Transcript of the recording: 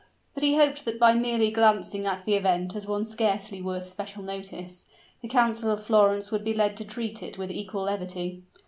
But he hoped that by merely glancing at the event as one scarcely worth special notice, the Council of Florence would be led to treat it with equal levity.